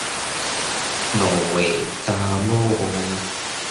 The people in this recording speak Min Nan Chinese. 五月查某雨